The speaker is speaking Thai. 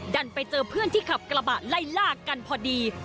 ดันไปเจอเพื่อนที่ขับกระบะไล่ลากกันพอดี